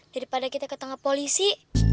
daripada kita ke tengah polisi